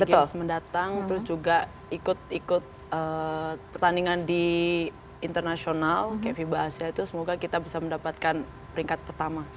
sea games mendatang terus juga ikut ikut pertandingan di internasional kayak fiba asia itu semoga kita bisa mendapatkan peringkat pertama